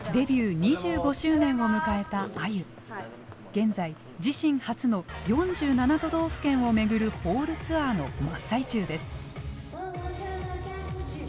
現在自身初の４７都道府県を巡るホールツアーの真っ最中です。